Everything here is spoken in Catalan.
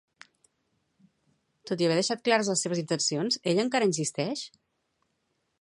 Tot i haver deixat clares les seves intencions, ella encara insisteix?